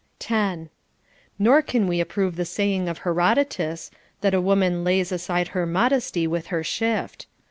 10. Nor can we approve the saying of Herodotus, that a woman lays aside her modesty with her shift.